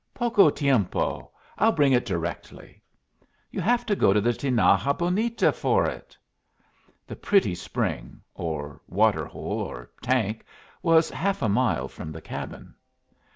"Poco tiempo: I'll bring it directly." "You have to go to the Tinaja Bonita for it." The Pretty Spring or water hole, or tank was half a mile from the cabin.